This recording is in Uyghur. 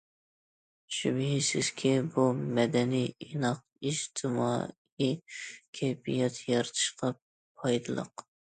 شۈبھىسىزكى، بۇ، مەدەنىي، ئىناق ئىجتىمائىي كەيپىيات يارىتىشقا پايدىلىق.